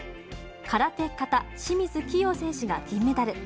空手形、清水希容選手が銀メダル。